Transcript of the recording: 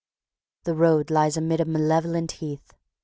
The road lies amid a malevolent heath.